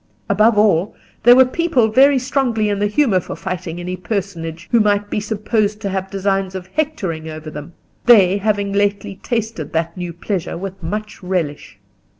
Above all, there were people very strongly in the humour for fighting any personage who might be supposed to have designs of hectoring over them, they having lately tasted that new pleasure with much relish.